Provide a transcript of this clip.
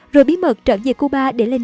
rồi bí mật trở về cuba để lên